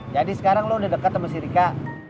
jadi sekarang lu udah deket sama si rika